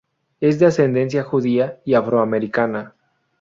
Es de ascendencia judía y afroamericana.